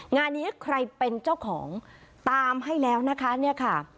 งานนี้ใครเป็นเจ้าของตามให้แล้วนะคะ